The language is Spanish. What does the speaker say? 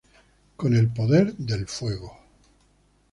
Con el poder del fuego.